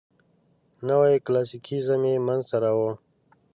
نوي کلاسیکیزم یې منځ ته راوړ.